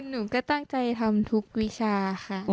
ก็หนูก็ตั้งใจทำทุกวิชา